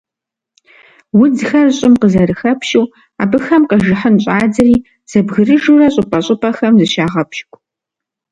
Удзхэр щIым къызэрыхэпщу, абыхэм къэжыхьын щIадзэри зэбгрыжурэ щIыпIэ-щIыпIэхэм зыщагъэпщкIу.